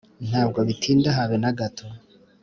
ntabwo bitinda habe nagato